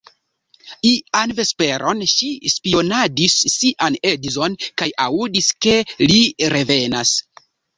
Ian vesperon ŝi spionadis sian edzon, kaj aŭdis, ke li revenas.